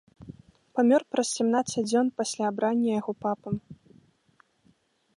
Памёр праз сямнаццаць дзён пасля абрання яго папам.